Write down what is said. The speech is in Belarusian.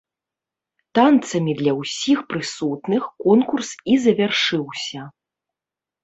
Танцамі для ўсіх прысутных конкурс і завяршыўся.